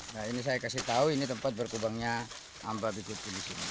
nah ini saya kasih tahu ini tempat berkubangnya amba kutil di sini